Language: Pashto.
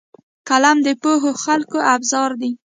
قلم د پوهو خلکو ابزار دی